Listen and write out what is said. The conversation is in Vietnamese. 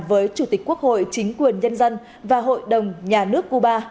với chủ tịch quốc hội chính quyền nhân dân và hội đồng nhà nước cuba